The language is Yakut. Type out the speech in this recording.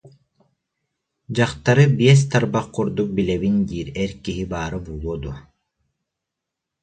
Дьахтары биэс тарбах курдук билэбин диир эр киһи баара буолуо дуо